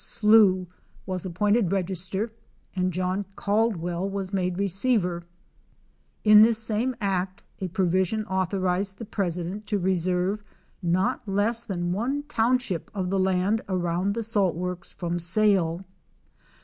Sloo was appointed register end John Caldwell was made receiver In this same act a provision authorized the President to reserve not less than one township of the land around the salt works from sale.